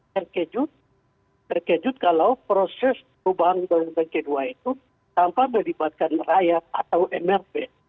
terkejut terkejut kalau proses perubahan bank kedua itu tanpa melibatkan raya atau mrp